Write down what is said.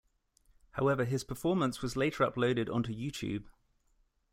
However, his performance was later uploaded onto YouTube.